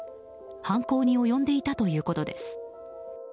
犯行に及んでいたということです。